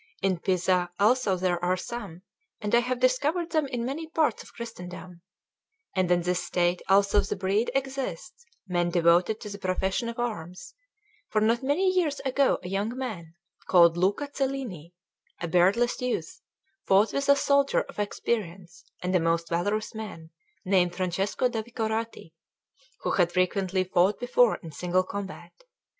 In Pisa also there are some, and I have discovered them in many parts of Christendom; and in this state also the breed exists, men devoted to the profession of arms; for not many years ago a young man, called Luca Cellini, a beardless youth, fought with a soldier of experience and a most valorous man, named Francesco da Vicorati, who had frequently fought before in single combat.